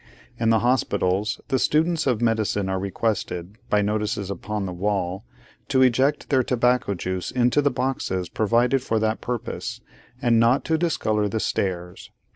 In the hospitals, the students of medicine are requested, by notices upon the wall, to eject their tobacco juice into the boxes provided for that purpose, and not to discolour the stairs.